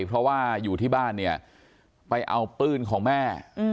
เพราะว่าอยู่ที่บ้านเนี่ยไปเอาปืนของแม่